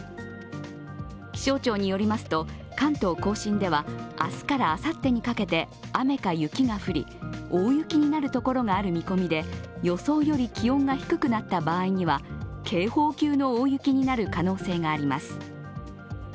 気象庁によりますと、関東甲信では明日からあさってにかけて雨か雪が降り、大雪になるところがある見込みで予想より気温が低くなった場合には警報級の大雪になる可能性があります。